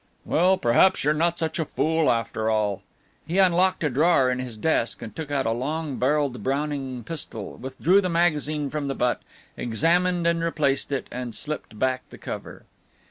"Well, perhaps you're not such a fool after all." He unlocked a drawer in his desk and took out a long barrelled Browning pistol, withdrew the magazine from the butt, examined and replaced it, and slipped back the cover.